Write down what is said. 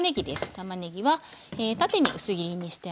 たまねぎは縦に薄切りにしてあります。